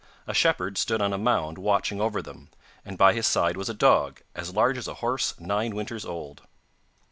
A shepherd stood on a mound watching over them, and by his side was a dog, as large as a horse nine winters old.